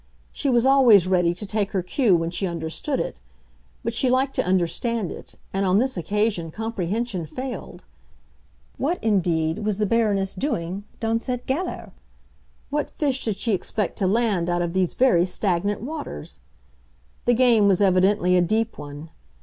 She was always ready to take her cue when she understood it; but she liked to understand it, and on this occasion comprehension failed. What, indeed, was the Baroness doing dans cette galère? what fish did she expect to land out of these very stagnant waters? The game was evidently a deep one.